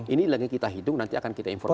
ini lagi kita hitung nanti akan kita informasikan